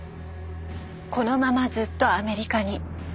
このままずっとアメリカに。